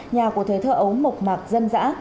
nhà của thời thơ ấu mộc mạc dân dã